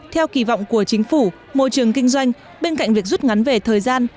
theo kỳ vọng của chính phủ môi trường kinh doanh bên cạnh việc rút ngắn về thời gian